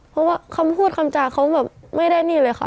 เพราะว่าคำพูดคำจากเขาแบบไม่ได้นี่เลยค่ะ